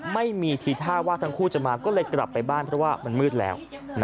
ไม่มีทีท่าว่าทั้งคู่จะมาก็เลยกลับไปบ้านเพราะว่ามันมืดแล้ว